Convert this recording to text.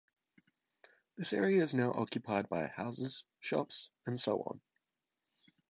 This area is now occupied by houses, shops and so on.